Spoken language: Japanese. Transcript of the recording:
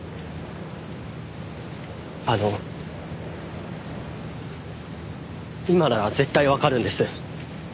あの今なら絶対わかるんです。